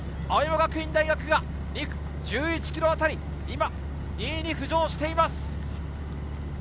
青山学院大学が１１ｋｍあたり、２位に浮上しています。